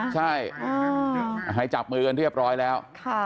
ใช่ให้จับมือกันเรียบร้อยแล้ว